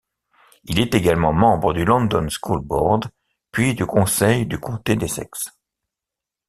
Il est également membre du London School Board, puis du Conseil du comté d'Essex.